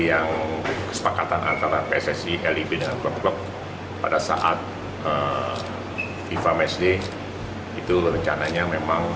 yang kesepakatan antara pssi lib dengan klopp pada saat fifa matchday itu rencananya memang